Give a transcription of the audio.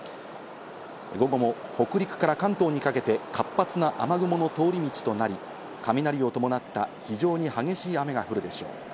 午後も北陸から関東にかけて活発な雨雲の通り道となり、雷を伴った非常に激しい雨が降るでしょう。